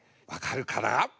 分かるかな？